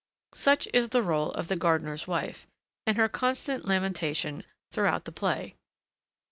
Such is the rôle of the gardener's wife and her constant lamentation throughout the play.